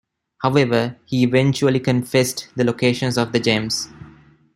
However, he eventually confessed the locations of the gems.